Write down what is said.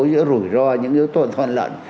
giữa rủi ro những yếu tố toàn loạn